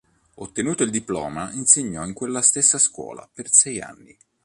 Ottenuto il diploma insegnò in quella stessa scuola per sei anni.